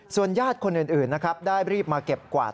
ส่วนญาติคนอื่นได้รีบมาเก็บกวาด